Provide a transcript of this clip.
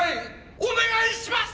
お願いします！